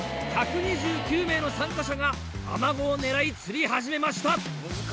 １２９名の参加者がアマゴを狙い釣り始めました。